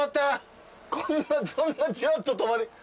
こんなじわっと止まる。